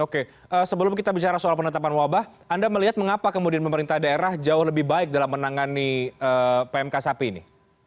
oke sebelum kita bicara soal penetapan wabah anda melihat mengapa kemudian pemerintah daerah jauh lebih baik dalam menangani pmk sapi ini